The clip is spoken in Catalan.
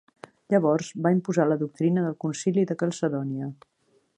Llavors va imposar la doctrina del concili de Calcedònia.